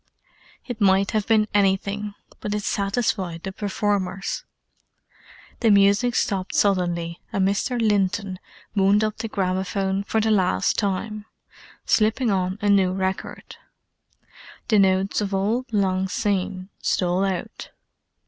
It might have been anything, but it satisfied the performers. The music stopped suddenly, and Mr. Linton wound up the gramophone for the last time, slipping on a new record. The notes of "Auld Lang Syne," stole out.